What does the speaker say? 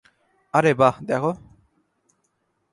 আরে বাহ, দেখো।